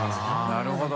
なるほど。